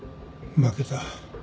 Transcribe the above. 負けた。